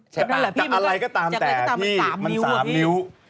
จากอะไรก็ตามแต่ที่มัน๓นิ้ว